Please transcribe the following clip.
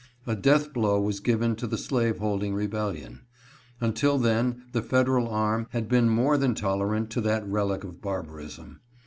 A death blow was given to the slavehold ing rebellion. Until then the federal arm had been more than tolerant to that relic of barbarism.